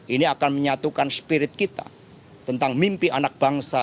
ini akan menyatukan spirit kita tentang mimpi anak bangsa